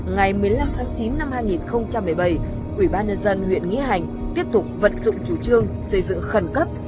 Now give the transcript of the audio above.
ngày một mươi năm tháng chín năm hai nghìn một mươi bảy ủy ban nhân dân huyện nghĩa hành tiếp tục vận dụng chủ trương xây dựng khẩn cấp